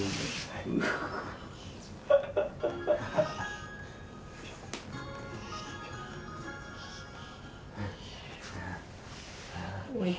はい。